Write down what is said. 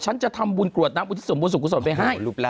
ฉันจะทำบุญกรวดน้ำอุตส่วนบุญสุขอุตส่วนไปให้